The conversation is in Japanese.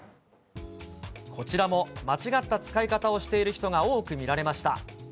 こちらも間違った使い方をしている人が多く見られました。